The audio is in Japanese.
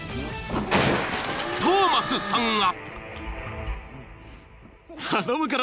［トーマスさんが！］